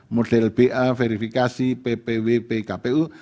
model ba verifikasi ppwpkpu